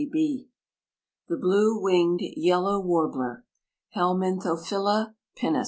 ] THE BLUE WINGED YELLOW WARBLER. (_Helminthophila pinus.